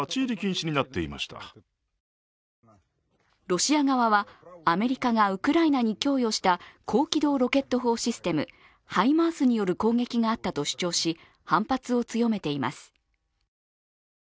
ロシア側はアメリカがウクライナに供与した高機動ロケット砲システム・ハイマースによる攻撃があったと主張し反発を強めています。